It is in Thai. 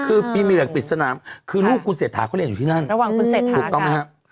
คือพิเมียร์ปฎิสนามคือลูกของคุณเสธาเขาเล่นอยู่ที่นั่นระหว่างคุณเสธาค่ะ